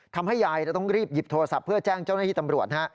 ทำให้ยายต้องรีบหยิบโทรศัพท์เพื่อแจ้งเจ้าหน้าที่ตำรวจ